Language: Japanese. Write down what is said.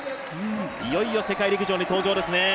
いよいよ世界陸上に登場ですね。